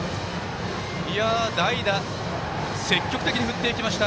代打、積極的に振っていきました。